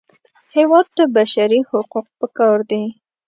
هېواد ته بشري حقوق پکار دي